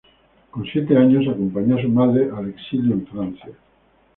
Con siete años acompañó a su madre al exilio en Francia.